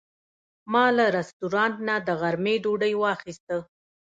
ما له رستورانت نه د غرمې ډوډۍ واخیسته.